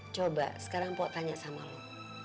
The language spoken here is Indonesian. coba sekarang pok tanya sama lo